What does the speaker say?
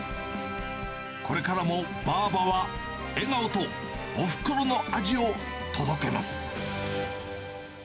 これからもばあばは笑顔とおふくろの味を届けます。